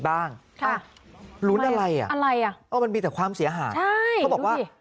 มันมีแต่ความเสียหาย